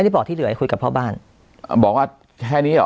บอกว่าแค่นี้หรอ